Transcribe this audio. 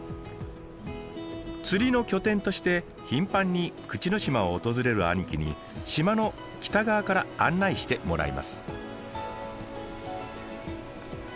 釣りの拠点として頻繁に口之島を訪れる兄貴に島の北側から案内してもらいます。